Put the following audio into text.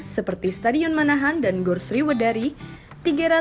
seperti stadion manahan dan gursri wadari